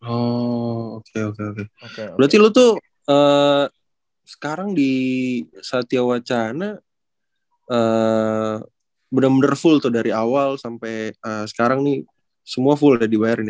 oh oke oke oke berarti lo tuh sekarang di satya wacana bener bener full tuh dari awal sampe sekarang nih semua full udah dibayarin ya